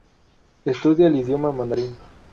Estudia el idioma mandarín.